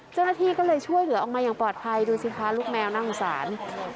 เจ้าหน้าที่ก็เลยช่วยเหลือออกมาอย่างปลอดภัยดูสิคะลูกแมวน่าสงสาร